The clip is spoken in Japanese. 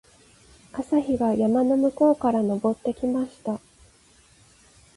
朝日が山の向こうから昇ってきました。